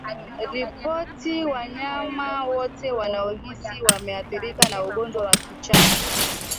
Ripoti wanyama wote unaohisi wameathirika na ugonjwa wa kichaa